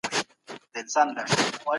د ټولنپوهنې کلمه اګوست کنت معرفي کړه.